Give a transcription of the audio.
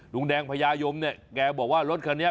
ลุงแดงพญายมเนี่ยแกบอกว่ารถคันนี้